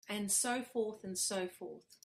And so forth and so forth.